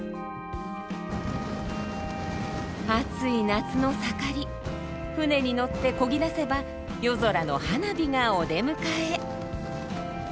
暑い夏の盛り船に乗ってこぎ出せば夜空の花火がお出迎え。